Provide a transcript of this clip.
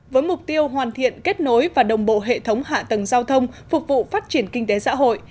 với mục tiêu hoàn thiện kết nối và đồng bộ hệ thống hạ tầng giao thông phục vụ phát triển kinh tế xã hội